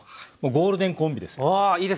ゴールデンコンビ。